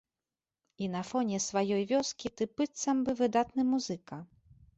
І на фоне сваёй вёскі ты быццам бы выдатны музыка.